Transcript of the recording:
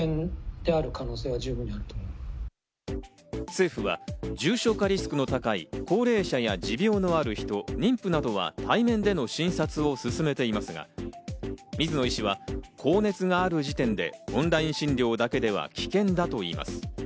政府は重症化リスクの高い高齢者や持病のある人、妊婦などは対面での診察を勧めていますが、水野医師は高熱がある時点でオンライン診療だけでは危険だといいます。